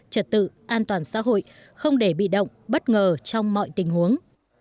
trật tự an toàn xã hội không để bị động bất ngờ trong mọi tình huống